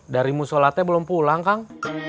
dari musolate belum pulang kang